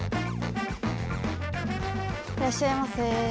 いらっしゃいませ。